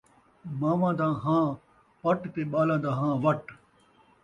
مان٘واں دا ہاں پٹ تے ٻالاں دا ہاں وٹ